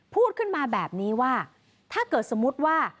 พูดขึ้นมาแบบนี้ว่าถ้าเกิดสมมุติว่า